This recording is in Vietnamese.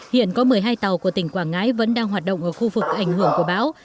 hiện có một mươi hai tàu của tỉnh quảng ngãi vẫn đang hoạt động ở khu vực ảnh hưởng của bão